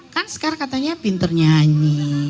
kan sekar katanya pintar nyanyi